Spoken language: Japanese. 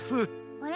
あれ？